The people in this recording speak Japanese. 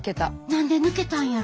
何で抜けたんやろ？